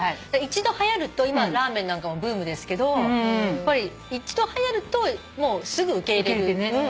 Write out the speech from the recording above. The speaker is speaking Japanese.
一度はやると今ラーメンなんかもブームですけど一度はやるともうすぐ受け入れる。